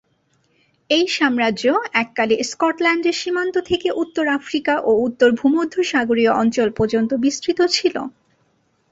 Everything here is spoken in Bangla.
এই সাম্রাজ্য এককালে স্কটল্যান্ডের সীমান্ত থেকে উত্তর আফ্রিকা ও উত্তর ভূমধ্যসাগরীয় অঞ্চল পর্যন্ত বিস্তৃত ছিল।